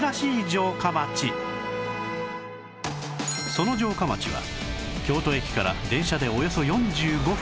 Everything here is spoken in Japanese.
その城下町は京都駅から電車でおよそ４５分